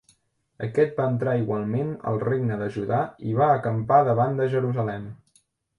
Aquest va entrar igualment al regne de Judà i va acampar davant de Jerusalem.